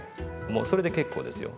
もうそれで結構ですよ。